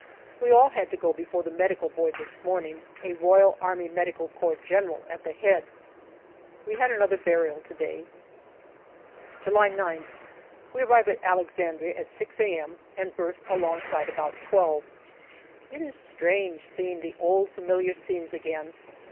We all had to go before the Medical Board this morning, a R.A.M.C. General at the head. We had another burial to day. July 9th. We arrive at Alexandria at 6 a.m. and berth alongside about twelve. It is strange seeing the old familiar scenes again.